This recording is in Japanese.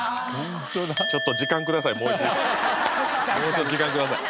ちょっと時間ください